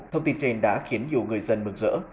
thông tin trên đã khiến nhiều người dân bực rỡ